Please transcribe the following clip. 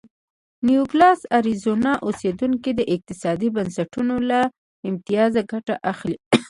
نوګالس اریزونا اوسېدونکي د اقتصادي بنسټونو له امتیاز ګټه اخلي.